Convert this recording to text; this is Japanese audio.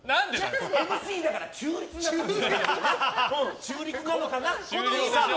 ＭＣだから中立な立場。